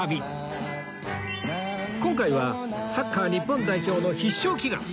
今回はサッカー日本代表の必勝祈願